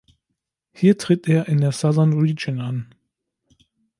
Hier tritt er in der Southern Region an.